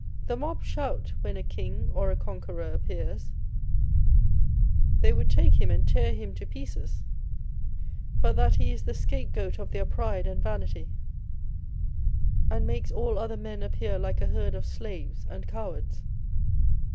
The mob shout when a king or a conqueror appears : they would take him and tear him to pieces, but that he is the scapegoat of their pride and vanity, and makes all other men appear like a herd of slaves and cowards.